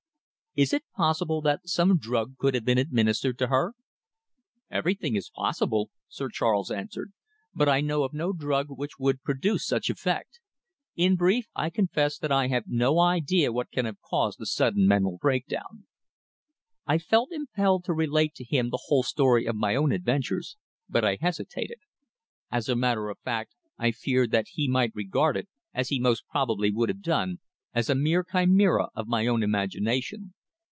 "Is it possible that some drug could have been administered to her?" "Everything is possible," Sir Charles answered. "But I know of no drug which would produce such effect. In brief, I confess that I have no idea what can have caused the sudden mental breakdown." I felt impelled to relate to him the whole story of my own adventures, but I hesitated. As a matter of fact I feared that he might regard it, as he most probably would have done, as a mere chimera of my own imagination.